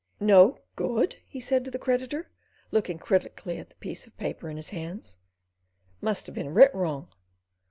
"No good?" he said to the creditor, looking critically at the piece of paper in his hands. "Must have been writ wrong.